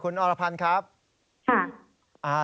อคุณอรพรรครับค่ะ